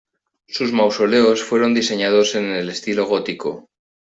Sus mausoleos fueron diseñados en el estilo gótico.